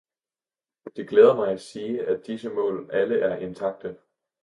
Det glæder mig at sige, at disse mål alle er intakte.